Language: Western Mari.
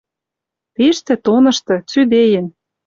Тиштӹ, тонышты, цӱдеен